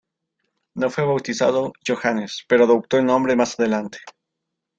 No fue bautizado Johannes, pero adoptó el nombre más adelante.